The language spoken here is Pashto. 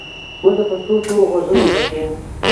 موږ د پښتو تورو غږونه زده کوو.